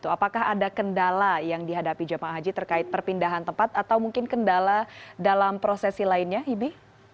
apakah ada kendala yang dihadapi jemaah haji terkait perpindahan tempat atau mungkin kendala dalam prosesi lainnya ibi